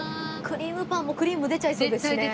クリームパンもクリーム出ちゃいそうですしね。